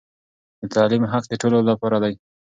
د تعليم حق د ټولو لپاره دی.